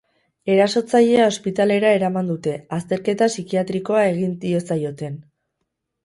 Erasotzailea ospitalera eraman dute, azterketa psikiatrikoa egin diezaioten.